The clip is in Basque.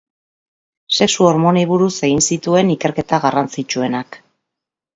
Sexu-hormonei buruz egin zituen ikerketa garrantzitsuenak.